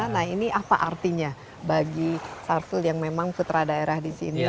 nah ini apa artinya bagi sarsul yang memang putra daerah di sini